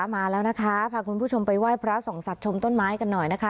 มาแล้วนะคะพาคุณผู้ชมไปไหว้พระส่องสัตวชมต้นไม้กันหน่อยนะคะ